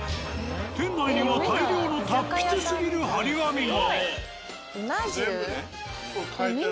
店内には大量の達筆すぎる張り紙が。